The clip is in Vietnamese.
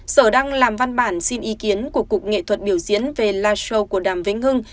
sở đang làm văn bản xin ý kiến của cục nghệ thuật biểu diễn về live show của đàm vĩnh hưng